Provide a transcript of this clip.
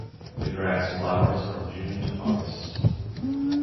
The grass flowers from June to August.